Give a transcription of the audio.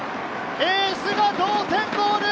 エースが同点ゴール！